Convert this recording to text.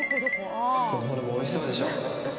このホルモンおいしそうでしょ。